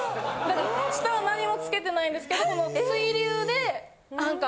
下は何も着けてないんですけど水流で何か。